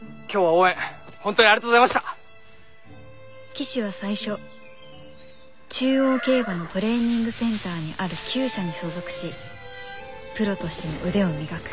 騎手は最初中央競馬のトレーニングセンターにある厩舎に所属しプロとしての腕を磨く。